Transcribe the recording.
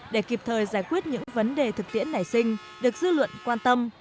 để kịp thời giải quyết những vấn đề thực tiễn nảy sinh được dư luận quan tâm